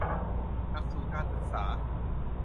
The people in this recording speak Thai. หลักสูตรการศึกษา